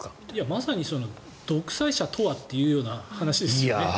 まさに独裁者とはという話ですよね。